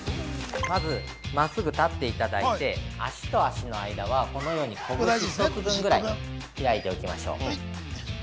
◆まず真っすぐ立っていただいて脚と脚の間は、このようにこぶし１つ分ぐらい開いておきましょう。